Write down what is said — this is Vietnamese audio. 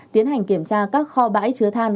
tiến hành kiểm tra các kho bãi chứa than